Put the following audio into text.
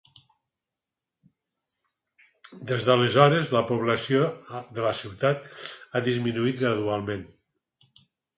Des d'aleshores, la població de la ciutat ha disminuït gradualment.